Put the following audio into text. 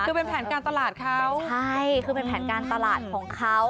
คือเป็นแผนการตลาดเขาใช่คือเป็นแผนการตลาดของเขา